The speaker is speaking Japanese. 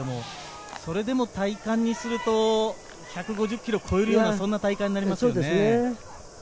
それでも体感にすると１５０キロを超える体感になりますよね。